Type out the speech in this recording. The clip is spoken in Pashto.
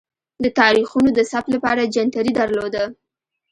د تاریخونو د ثبت لپاره جنتري درلوده.